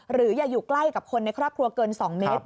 หรืออย่าอยู่ใกล้กับคนในครอบครัวเกิน๒เมตร